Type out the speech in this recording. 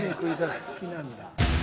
好きなんだ。